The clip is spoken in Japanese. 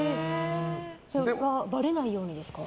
ばれないようにですか？